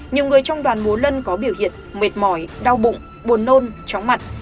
nhiều người trong đoàn múa lân có biểu hiện mệt mỏi đau bụng buồn nôn chóng mặt